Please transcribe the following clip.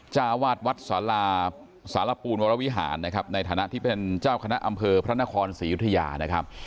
เจ้าวาดวัดสาราสารปูนวรวิหารนะครับในฐานะที่เป็นเจ้าคณะอำเภอพระนครศรียุธยานะครับ